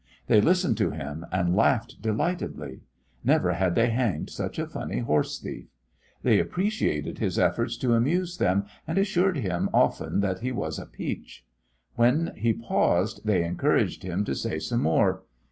They listened to him, and laughed delightedly. Never had they hanged such a funny horse thief. They appreciated his efforts to amuse them, and assured him often that he was a peach. When he paused, they encouraged him to say some more.